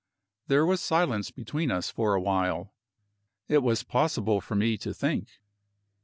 There was silence between us for a while. It was possible for me to think.